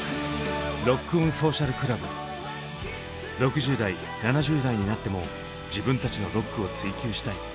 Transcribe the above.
６０代７０代になっても自分たちのロックを追求したい。